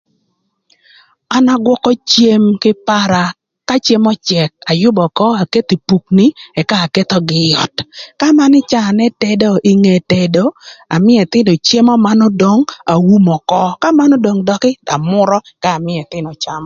An agwökö cem kï para, ka cem öcëk ayübö ökö aketho ï puki ëka akethogï ï öt ka man ï caa n'etedo kinge tedo amïö ëthïnö cemo mëna odong, aumo ökö, ka mena odong dökï amürö ëka amïö ëthïnö camö.